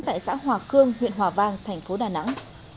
tại xã hòa khương huyện hòa vang tp đà nẵng